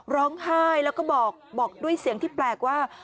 ร้องไห้แล้วก็บอกด้วยเสียงที่แปลกว่า